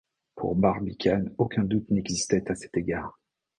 Pour Barbicane, aucun doute n’existait à cet égard.